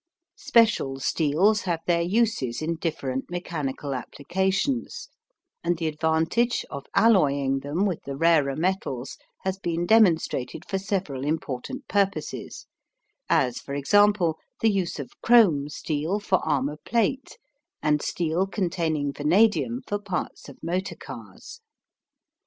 Special steels have their uses in different mechanical applications and the advantage of alloying them with the rarer metals has been demonstrated for several important purposes, as for example, the use of chrome steel for armor plate, and steel containing vanadium for parts of motor cars.